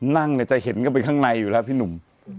นั่งในใจเห็นก็เป็นข้างในอยู่แล้วพี่หนุ่ม